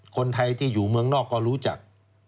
คนไทยที่อยู่เมืองนอกก็รู้จัก